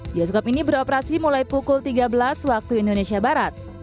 bioskop ini beroperasi mulai pukul tiga belas waktu indonesia barat